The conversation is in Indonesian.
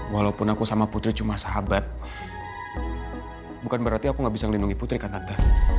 walaupun aku sama putri cuma sahabat bukan berarti aku gak bisa melindungi putri kata anda